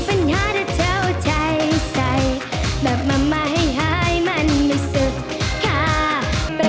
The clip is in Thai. พี่แซ่ะครับ